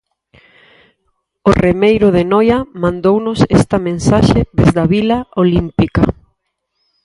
O remeiro de Noia mandounos esta mensaxe desde a vila olímpica.